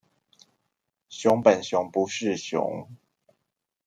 熊本熊不是熊